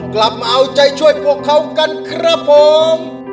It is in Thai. ครับผม